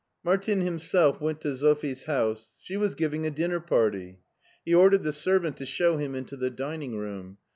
Martin himself went to Sophie's house. She was giving a dinner party. He ordered the servant to show him into the dining room.